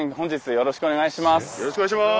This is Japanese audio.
よろしくお願いします。